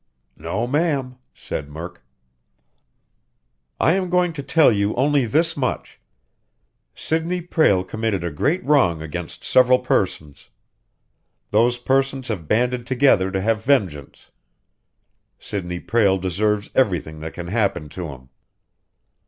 "No, ma'am," said Murk. "I am going to tell you only this much: Sidney Prale committed a great wrong against several persons. Those persons have banded together to have vengeance. Sidney Prale deserves everything that can happen to him."